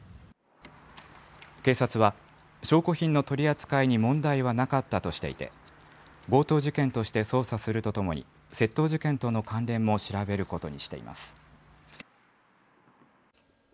警察は、証拠品の取り扱いに問題はなかったとしていて、強盗事件として捜査するとともに、窃盗事件との関連も調べることにしています。